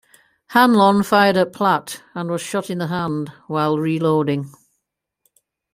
Hanlon fired at Platt and was shot in the hand while reloading.